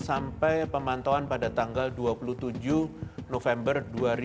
sampai pemantauan pada tanggal dua puluh tujuh november dua ribu dua puluh